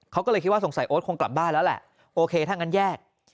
เขาก็เลยคิดว่าสงสัยโอ๊ตคงกลับบ้านแล้วแหละโอเคถ้างั้นแยก